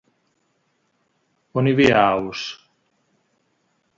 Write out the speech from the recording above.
On hi havia aus?